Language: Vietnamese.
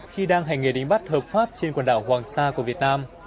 khi đang hành nghề đánh bắt hợp pháp trên quần đảo hoàng sa của việt nam